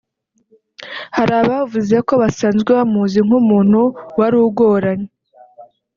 Hari abavuze ko basanzwe bamuzi nk’umuntu wari ugoranye